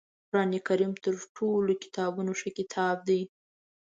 قرآنکریم تر ټولو کتابونو ښه کتاب دی